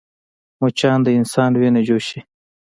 مچان د انسان وینه چوشي